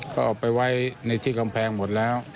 ก็เอาไปไว้ในที่กำแพงหมดแล้ว